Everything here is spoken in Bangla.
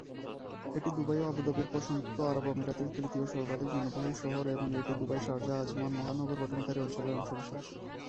এটি দুবাই ও আবুধাবির পর সংযুক্ত আরব আমিরাতের তৃতীয় সর্বাধিক জনবহুল শহর এবং এটি দুবাই-শারজাহ-আজমান মহানগর গঠনকারী অঞ্চলের অংশ বিশেষ।